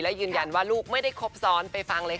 และยืนยันว่าลูกไม่ได้ครบซ้อนไปฟังเลยค่ะ